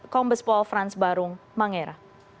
kombes pol frans barung mangera